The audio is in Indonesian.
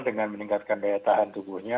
dengan meningkatkan daya tahan tubuhnya